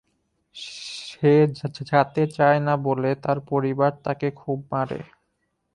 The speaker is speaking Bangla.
সে যাতে চায় না বলে তার পরিবার তাকে খুব মারে।